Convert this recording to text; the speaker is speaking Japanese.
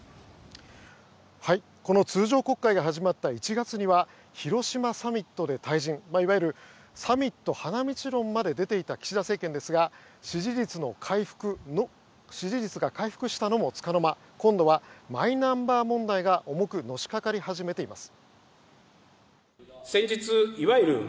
この通常国会が始まった１月には広島サミットで退陣いわゆるサミット花道論まで出ていた岸田政権ですが支持率が回復したのもつかの間今度はマイナンバー問題が重くのしかかり始めています。